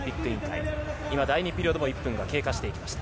第２ピリオドも１分が経過しました。